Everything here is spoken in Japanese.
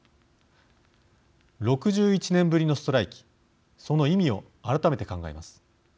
６１年ぶりのストライキその意味を改めて考えます。